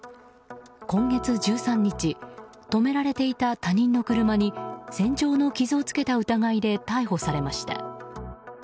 今月１３日止められていた他人の車に線状の傷をつけた疑いで逮捕されました。